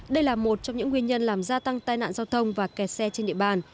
đây là một trong những nguyên nhân làm gia tăng tai nạn giao thông và kẹt xe trên địa bàn